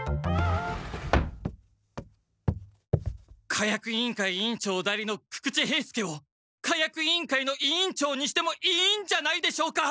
火薬委員会委員長代理の久々知兵助を火薬委員会の委員長にしてもいいんじゃないでしょうか。